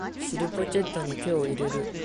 尻ポケットに手を入れる